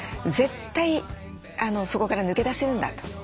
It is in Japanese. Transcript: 絶対そこから抜け出せるんだと。